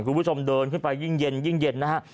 คุณผู้ชมเดินขึ้นไปยิ่งเย็นนะฮะ